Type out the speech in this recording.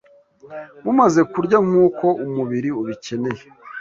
mumaze kurya, nk’uko umubiri ubikeneye